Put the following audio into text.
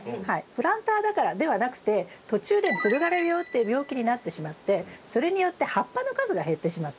プランターだからではなくて途中でつる枯病っていう病気になってしまってそれによって葉っぱの数が減ってしまった。